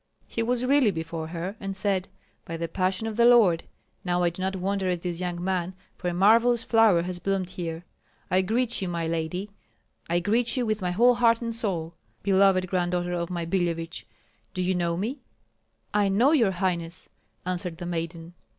He was really before her, and said: "By the passion of the Lord! Now I do not wonder at this young man, for a marvellous flower has bloomed here. I greet you, my lady, I greet you with my whole heart and soul, beloved granddaughter of my Billevich. Do you know me?" "I know your highness," answered the maiden.